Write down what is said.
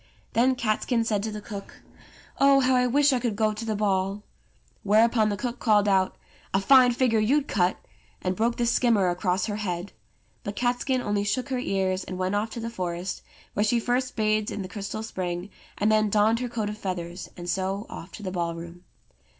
Then Catskin said to the cook, "Oh, how I wish I could go to the ball!" Whereupon the cook called out: "A fine figure you'd cut!" and broke the skimmer across her head. But Catskin only shook her ears, and went off to the forest, where she first bathed in the crystal spring, and then donned her coat of feathers, and so oflf to the ballroom.